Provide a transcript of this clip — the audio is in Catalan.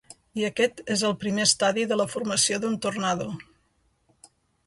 I aquest és el primer estadi de la formació d'un tornado.